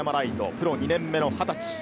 プロ２年目の二十歳。